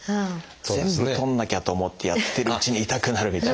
全部取らなきゃと思ってやってるうちに痛くなるみたいな。